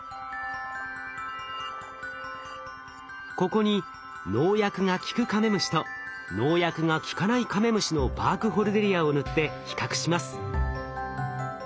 ここに農薬が効くカメムシと農薬が効かないカメムシのバークホルデリアを塗って比較します。